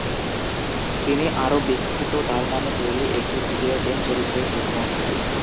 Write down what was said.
তিনি আরো বিখ্যাত তার নামে তৈরি একটি ভিডিও গেম চরিত্রের জন্য।